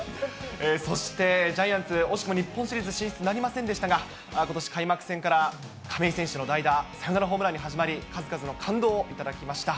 そして、ジャイアンツ、惜しくも日本シリーズ進出なりませんでしたが、ことし開幕戦から亀井選手の代打サヨナラホームランに始まり、数々の感動を頂きました。